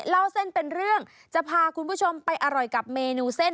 เล่าเส้นเป็นเรื่องจะพาคุณผู้ชมไปอร่อยกับเมนูเส้น